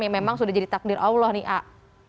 yang memang sudah jadi takdir allah nih pak